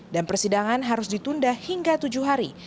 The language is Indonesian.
dan persidangan harus ditunda hingga tujuh hari